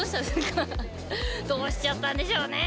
どうしちゃったんでしょうね？